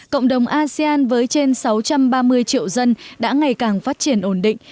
cộng đồng asean với trên sáu trăm ba mươi triệu dân đã ngày càng phát triển ổn định